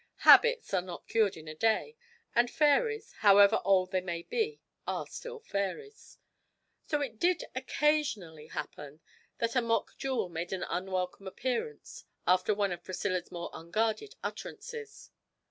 Habits are not cured in a day, and fairies however old they may be are still fairies; so it did occasionally happen that a mock jewel made an unwelcome appearance after one of Priscilla's more unguarded utterances.